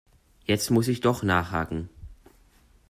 Jetzt muss ich doch nachhaken.